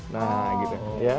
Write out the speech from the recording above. nah gitu ya